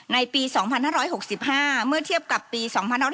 ในปี๒๕๖๕เมื่อเทียบกับปี๒๕๖๒